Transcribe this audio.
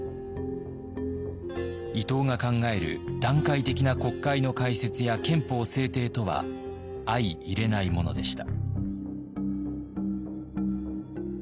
伊藤が考える段階的な国会の開設や憲法制定とは相いれないものでした。